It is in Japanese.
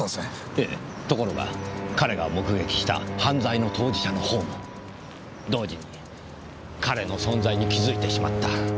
ええところが彼が目撃した犯罪の当事者の方も同時に彼の存在に気づいてしまった。